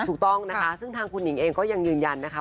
ถูกต้องนะคะซึ่งทางคุณหนิงเองก็ยังยืนยันนะคะ